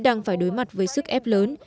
đang phải đối mặt với sức ép lớn